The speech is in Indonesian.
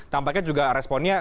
tampaknya juga responnya